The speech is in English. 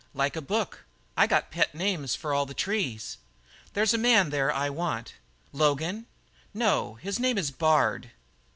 "Like a book. I got pet names for all the trees." "There's a man there I want." "Logan?" "No. His name is Bard."